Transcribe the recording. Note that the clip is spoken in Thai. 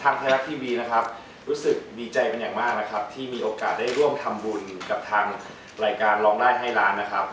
ทางไทยลักษณ์ทีวีรู้สึกดีใจเป็นอย่างมากที่มีโอกาสได้ร่วมทำบุญกับทางรายการรองด้ายให้ร้าน